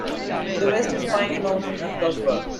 To the west is Piney Mountain and Frostburg.